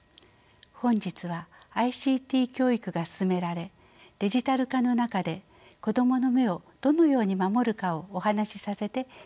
本日はＩＣＴ教育が進められデジタル化の中で子どもの目をどのように守るかをお話しさせていただきたいと思います。